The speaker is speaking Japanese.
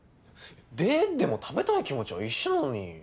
「で」でも食べたい気持ちは一緒なのに。